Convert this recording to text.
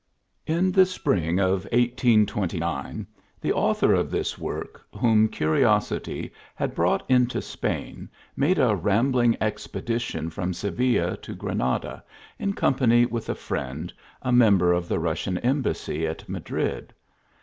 IN the spring of 1829, the author of this work, whom curiosity had brought into Spain, made a rambling expedition from Seville to Granada, in company with a friend, a member of the Russian embassy at Madrid.